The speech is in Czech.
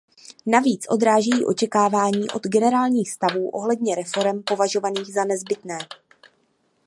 Navíc odrážejí očekávání od generálních stavů ohledně reforem považovaných za nezbytné.